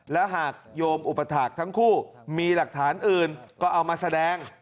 และหากโยมอุปถาคทั้งคู่มีหลักฐานอื่นก็เอามาแสดง